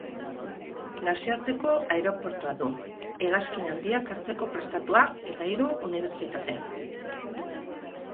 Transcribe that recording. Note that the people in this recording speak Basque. Nazioarteko aireportua du, hegazkin handiak hartzeko prestatua, eta hiru unibertsitate.